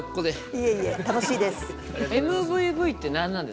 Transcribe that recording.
いえいえ楽しいです。